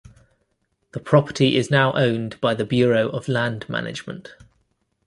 The property is now owned by the Bureau of Land Management.